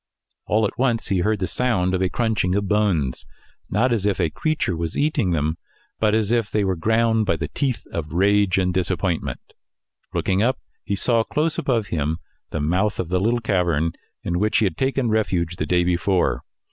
All at once he heard the sound of a crunching of bones not as if a creature was eating them, but as if they were ground by the teeth of rage and disappointment; looking up, he saw close above him the mouth of the little cavern in which he had taken refuge the day before.